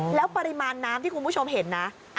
แล้วปริมาณน้ำที่คุณผู้ชมเห็นนะ